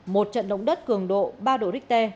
một trận động đất cường độ ba độ richter